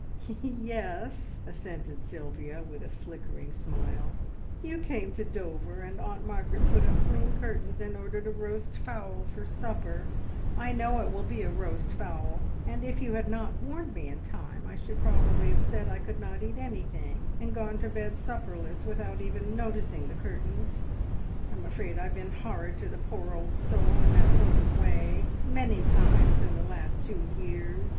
"Yes!" assented Sylvia, with a flickering smile. "You came to Dover, and Aunt Margaret put up clean curtains, and ordered a roast fowl for supper I know it will be a roast fowl! and if you had not warned me in time, I should probably have said I could not eat anything, and gone to bed supperless, without even noticing the curtains. I am afraid I have been horrid to the poor old soul in that sort of way many times in the last two years.